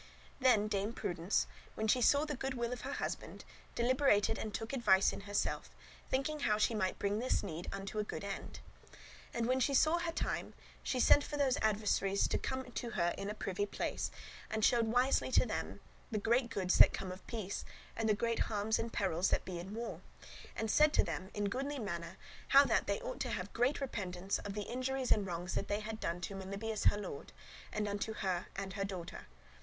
Then Dame Prudence, when she saw the goodwill of her husband, deliberated and took advice in herself, thinking how she might bring this need [affair, emergency] unto a good end. And when she saw her time, she sent for these adversaries to come into her into a privy place, and showed wisely into them the great goods that come of peace, and the great harms and perils that be in war; and said to them, in goodly manner, how that they ought have great repentance of the injuries and wrongs that they had done to Melibœus her Lord, and unto her and her daughter.